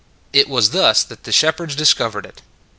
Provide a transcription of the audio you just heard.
It was thus that the shepherds dis covered it.